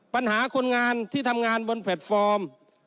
ปัญหาคนงานที่ทำงานบนแพลตฟอร์ม